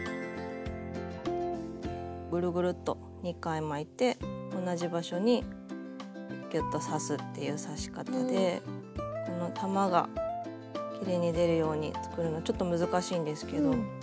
ぐるぐるっと２回巻いて同じ場所にぎゅっと刺すっていう刺し方でこの玉がきれいに出るように作るのちょっと難しいんですけど。